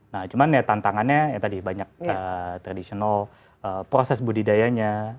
nah cuman ya tantangannya ya tadi banyak tradisional proses budidayanya